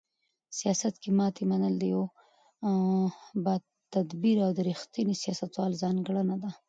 سیاست کې ماتې منل د یو باتدبیره او رښتیني سیاستوال ځانګړنه ده.